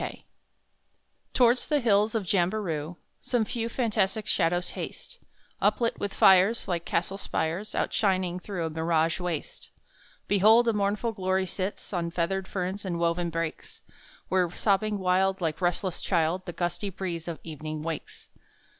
Kiama Towards the hills of Jamberoo Some few fantastic shadows haste, Uplit with fires Like castle spires Outshining through a mirage waste. Behold, a mournful glory sits On feathered ferns and woven brakes, Where sobbing wild like restless child The gusty breeze of evening wakes!